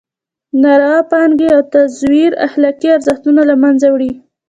ناروا پانګې او تزویر اخلاقي ارزښتونه له مېنځه وړي.